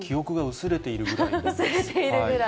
薄れているぐらい？